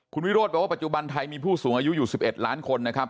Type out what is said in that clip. คุณวิโรธบอกว่าปัจจุบันไทยมีผู้สูงอายุอยู่๑๑ล้านคนนะครับ